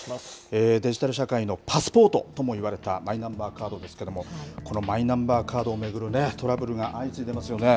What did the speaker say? デジタル社会のパスポートとも言われたマイナンバーカードですけれどもこのマイナンバーカードを巡るねトラブルが相次いでいますよね。